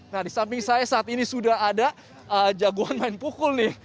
nah di samping saya saat ini sudah ada jagoan main pukul nih